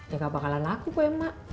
ya gak bakalan laku kue emak